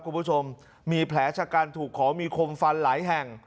คุณผู้ชมมีแผลชะกันถูกขอมีคมฟันหลายแห่ง